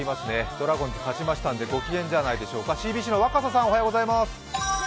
ドラゴンズ勝ちましたんでご機嫌じゃないでしょうか、ＣＢＣの若狭さんおはようございます。